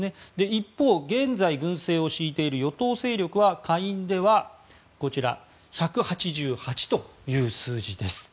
一方、現在、軍政を敷いている与党勢力は下院では１８８という数字です。